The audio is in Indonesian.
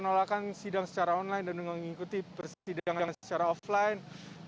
penolakan sidang secara online dan mengikuti persidangan secara offline